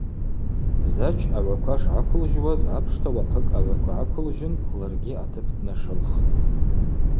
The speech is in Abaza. Зач агӏваква шгӏаквылжьуаз апшта уахъыкӏ агӏваква гӏаквылжьхын ларгьи атып днашылхтӏ.